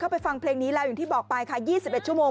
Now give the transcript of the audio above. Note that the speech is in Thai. เข้าไปฟังเพลงนี้ไลน์อย่างที่บอกไปค่ะยี่สิบเอ็ดชั่วโมง